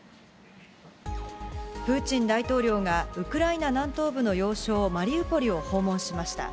プーチン大統領がウクライナ南東部の要衝マリウポリを訪問しました。